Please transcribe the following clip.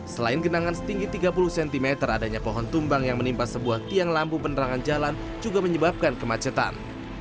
selain genangan setinggi tiga puluh cm adanya pohon tumbang yang menimpa sebuah tiang lampu penerangan jalan juga menyebabkan kemacetan